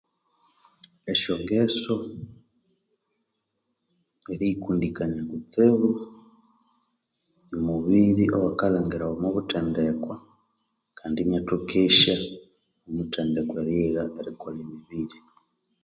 Esyongeso eriyikundikania kutsibu omubiri owakalhangirawa omwabuthendekwa kandi inyathokesya omuthendekwa erigha erikolha emibiri